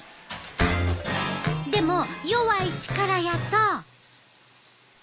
でも弱い力やと。